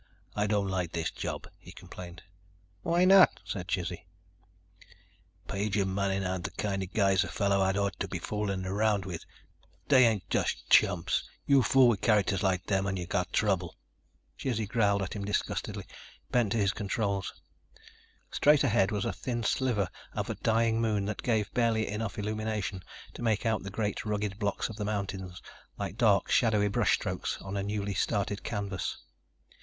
"I don't like this job," he complained. "Why not?" asked Chizzy. "Page and Manning aren't the kind of guys a fellow had ought to be fooling around with. They ain't just chumps. You fool with characters like them and you got trouble." Chizzy growled at him disgustedly, bent to his controls. Straight ahead was a thin sliver of a dying Moon that gave barely enough illumination to make out the great, rugged blocks of the mountains, like dark, shadowy brush strokes on a newly started canvas.